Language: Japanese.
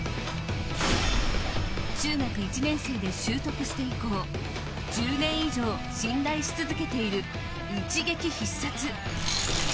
中学１年生で習得して以降１０年以上信頼し続けている一撃必殺。